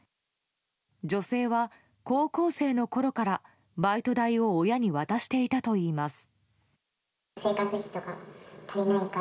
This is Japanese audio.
女性は高校生のころからバイト代を親に渡していたといいます。